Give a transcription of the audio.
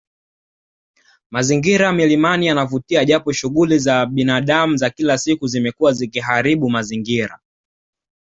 Mazingira milimani yanavutia japo shughuli za binadamu za kila siku zimekuwa zikiharibu mazingira